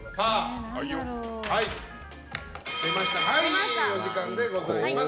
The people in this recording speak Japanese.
はい、お時間でございます。